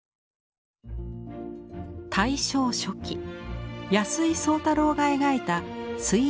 大正初期安井曾太郎が描いた「水浴裸婦」。